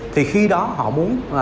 thì khi đó họ muốn làm những dự án